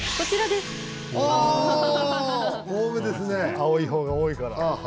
青い方が多いから。